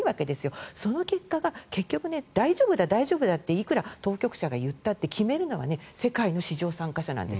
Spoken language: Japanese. その結果が大丈夫だ、大丈夫だといくら当局者が言ったって決めるのは世界の市場参加者なのです。